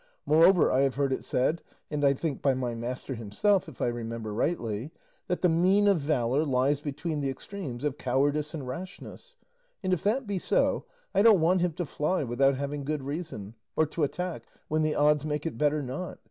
Moreover, I have heard it said (and I think by my master himself, if I remember rightly) that the mean of valour lies between the extremes of cowardice and rashness; and if that be so, I don't want him to fly without having good reason, or to attack when the odds make it better not.